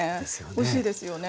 おいしいですよね。